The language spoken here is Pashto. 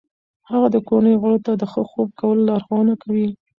هغه د کورنۍ غړو ته د ښه خوب کولو لارښوونه کوي.